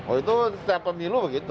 oh itu setiap pemilu begitu